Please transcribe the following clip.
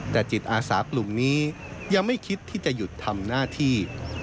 แต่จิตอาสากลุ่มนี้ยังไม่คิดที่จะหยุดทำหน้าที่